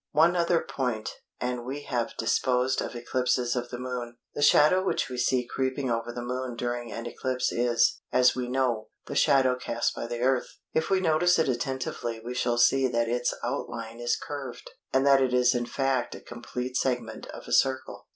One other point and we have disposed of eclipses of the Moon. The shadow which we see creeping over the Moon during an eclipse is, as we know, the shadow cast by the Earth. If we notice it attentively we shall see that its outline is curved, and that it is in fact a complete segment of a circle.